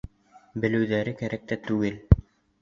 Белеүҙәре кәрәк тә түгел.